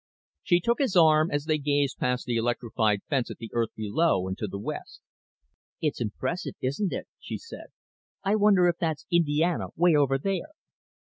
She took his arm as they gazed past the electrified fence at the Earth below and to the west. "It's impressive, isn't it?" she said. "I wonder if that's Indiana way over there?"